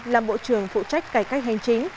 là bộ trưởng phụ trách cải cách hành chính